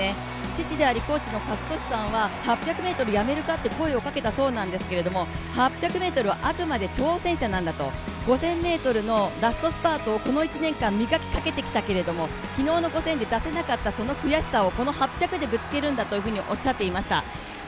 父でありコーチの健智さんは、８００ｍやめるかと声を掛けたそうなんですが８００ｍはあくまで挑戦者なんだと、５０００ｍのラストスパートをこの１年間、磨きかけてきたけど、昨日の５０００で出せなかったこの悔しさをこの８００でぶつけるんだとおっしゃっていました。